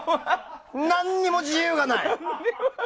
何も自由がない！